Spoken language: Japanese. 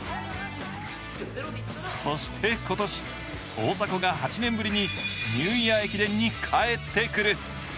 そして今年、大迫が８年ぶりにニューイヤー駅伝に帰ってくる。